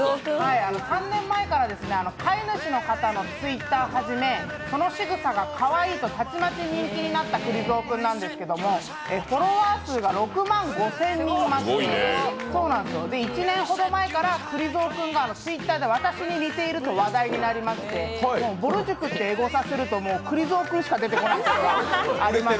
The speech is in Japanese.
３年前から、飼い主の方のＴｗｉｔｔｅｒはじめ、そのしぐさがかわいいと、たちまち人気になったくり蔵君なんですけど、フォロワー数が６万５０００人いまして１年ほど前からくり蔵君がＴｗｉｔｔｅｒで私に似ていると話題になりまして、ぼる塾ってエゴサすると、くり蔵君しか出てこない。